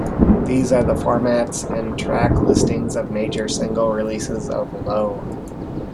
These are the formats and track listings of major single-releases of "Low".